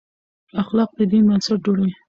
اخلاق د دین بنسټ جوړوي.